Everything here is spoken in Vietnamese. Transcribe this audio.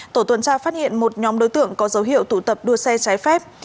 tổ tuần tra phát hiện một nhóm đối tượng có dấu hiệu tụ tập đua xe trái phép